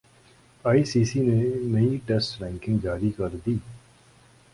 ئی C C نے نئی ٹیسٹ رینکنگ جاری کردی